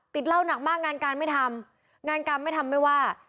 เหล้าหนักมากงานการไม่ทำงานกรรมไม่ทำไม่ว่า